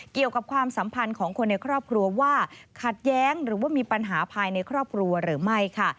ความสัมพันธ์ของคนในครอบครัวว่าขัดแย้งหรือว่ามีปัญหาภายในครอบครัวหรือไม่ค่ะ